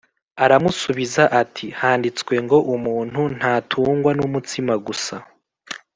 Aramusubiza ati “Handitswe ngo ‘Umuntu ntatungwa n’umutsima gusa